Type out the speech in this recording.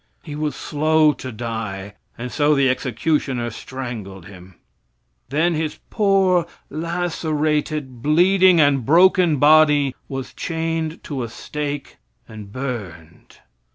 He was slow to die and so the executioner strangled him. Then his poor lacerated, bleeding and broken body was chained to a stake and burned.